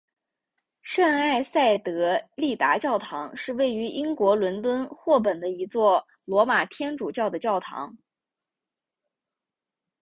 圣埃塞德丽达教堂是位于英国伦敦霍本的一座罗马天主教的教堂。